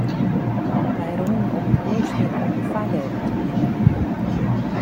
Wy rûnen om it hûs hinne om de foargevel te bewûnderjen.